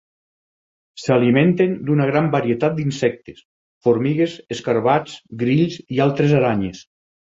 S'alimenten d'una gran varietat d'insectes: formigues, escarabats, grills i altres aranyes.